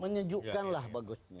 menyejukkan lah bagusnya